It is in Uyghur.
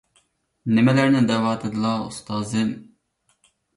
نېمىلەرنى دەۋاتىدىلا، ئۇستازىم.